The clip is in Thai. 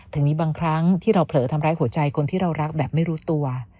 ถึงมีบางครั้งที่เราเผลอทำร้ายหัวใจคนที่เรารักแบบไม่รู้ตัว